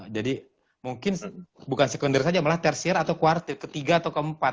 jadi mungkin bukan sekunder saja malah tertier atau quartier ketiga atau keempat